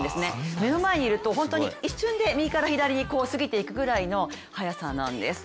目の前にいると一瞬で右から左に過ぎていくくらいの速さなんです。